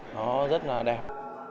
nó rất là đẹp